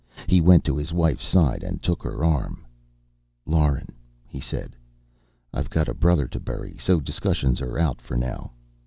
He went to his wife's side and took her arm. "Lauren," he said. "I've got a brother to bury. So discussions are out, for now.